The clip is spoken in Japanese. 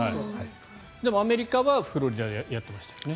でもアメリカはフロリダでやってるんですよね。